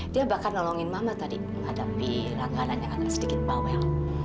dia bahkan nolongin mama tadi menghadapi langganan yang agak sedikit pawel